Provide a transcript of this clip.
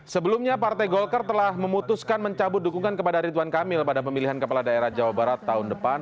sebelumnya partai golkar telah memutuskan mencabut dukungan kepada ridwan kamil pada pemilihan kepala daerah jawa barat tahun depan